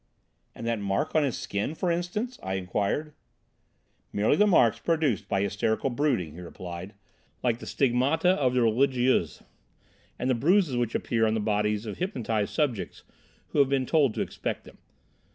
"And that mark on his skin, for instance?" I inquired. "Merely the marks produced by hysterical brooding," he replied, "like the stigmata of the religieuses, and the bruises which appear on the bodies of hypnotised subjects who have been told to expect them.